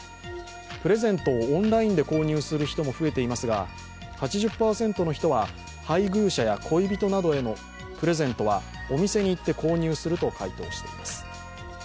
プレゼントをオンラインで購入する人も増えていますが、８０％の人は配偶者や恋人などへのプレゼントはお店に行って購入すると回答しています。